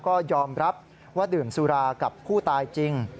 ก็ยอมรับว่าดื่มสุรากับผู้ตายจริง